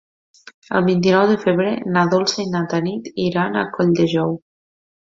El vint-i-nou de febrer na Dolça i na Tanit iran a Colldejou.